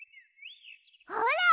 ほら！